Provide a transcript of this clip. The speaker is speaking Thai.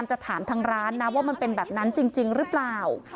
จะถามทางร้านนะว่ามันเป็นแบบนั้นจริงหรือเปล่า